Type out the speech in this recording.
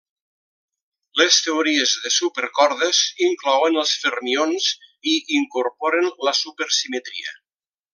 Les teories de supercordes inclouen els fermions i incorporen la supersimetria.